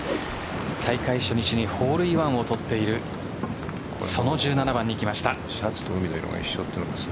大会初日にホールインワンを取っているその１７番に行きました。